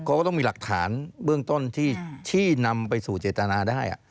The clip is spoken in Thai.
เขาก็ต้องมีหลักฐานเบื้องต้นที่นำไปสู่เจตนาได้